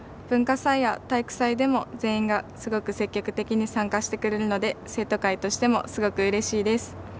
文化祭や体育祭でも全員がすごく積極的に参加してくれるので生徒会としてもすごくうれしいです。